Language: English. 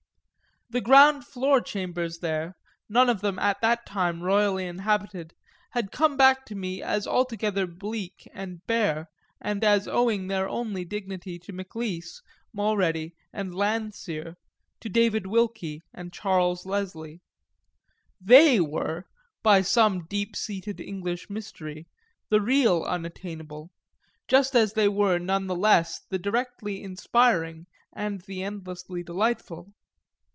The ground floor chambers there, none of them at that time royally inhabited, come back to me as altogether bleak and bare and as owing their only dignity to Maclise, Mulready and Landseer, to David Wilkie and Charles Leslie. They were, by some deep seated English mystery, the real unattainable, just as they were none the less the directly inspiring and the endlessly delightful.